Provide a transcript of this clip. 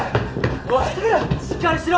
おいしっかりしろ！